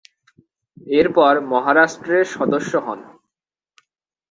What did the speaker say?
এরপর মহারাষ্ট্রের সদস্য হন।